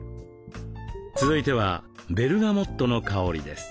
続いてはベルガモットの香りです。